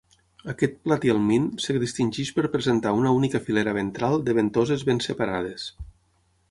Aquest platihelmint es distingeix per presentar una única filera ventral de ventoses ben separades.